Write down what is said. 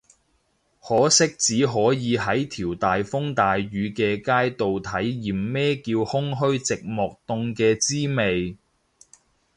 可惜只可以喺條大風大雨嘅街度體驗咩叫空虛寂寞凍嘅滋味